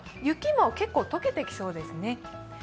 雪も結構解けてきそうですね。